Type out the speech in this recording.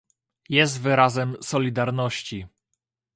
Jest wyrazem solidarności